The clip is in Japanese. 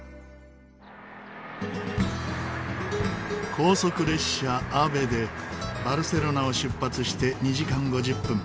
高速列車ＡＶＥでバルセロナを出発して２時間５０分。